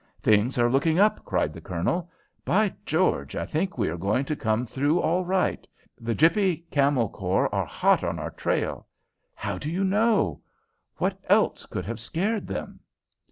"Things are looking up," cried the Colonel. "By George, I think we are going to come through all right. The Gippy Camel Corps are hot on our trail." "How do you know?" "What else could have scared them?"